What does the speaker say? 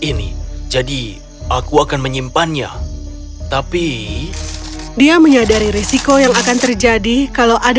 ini jadi aku akan menyimpannya tapi dia menyadari risiko yang akan terjadi kalau ada